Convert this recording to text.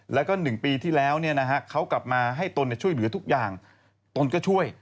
แล้วก็๑ปีที่แล้วเขากลับมาให้ตนช่วยเหลือทุกอย่างตนก็ช่วย